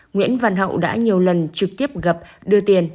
nguyễn văn hậu đã nhiều lần trực tiếp gặp đưa tiền